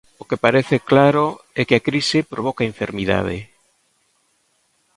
O que parece claro é que a crise provoca enfermidade.